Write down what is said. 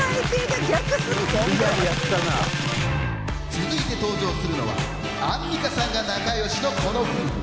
続いて登場するのはアンミカさんが仲良しのこの夫婦。